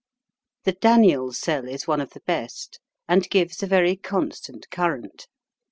The Daniell cell is one of the best, and gives a very constant current.